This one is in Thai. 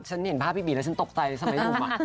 ฉันเห็นภาพพี่บีแล้วฉันตกใจช่างมือปะ